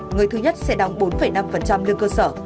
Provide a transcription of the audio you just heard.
người thứ nhất sẽ đóng bốn năm lương cơ sở